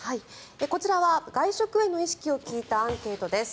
こちらは外食への意識を聞いたアンケートです。